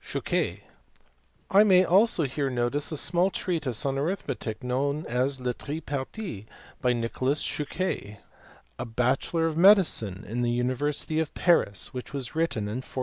Chuquet. I may also here notice a small treatise on arithmetic, known as Le Triparty*, by Nicolas Ghuquet, a bachelor of medicine in the university of Paris, which was written in 1484.